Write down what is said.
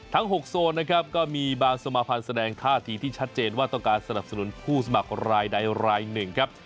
๖โซนนะครับก็มีบางสมาภัณฑ์แสดงท่าทีที่ชัดเจนว่าต้องการสนับสนุนผู้สมัครรายใดรายหนึ่งครับ